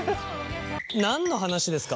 何の話ですか？